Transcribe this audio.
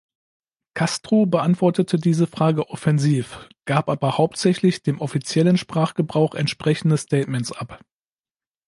Castro beantwortete diese Fragen offensiv, gab aber hauptsächlich dem offiziellen Sprachgebrauch entsprechende Statements ab.